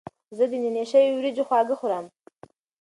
زه د نینې شوي وریجو خواږه خوړم.